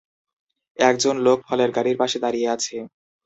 একজন লোক ফলের গাড়ির পাশে দাঁড়িয়ে আছে।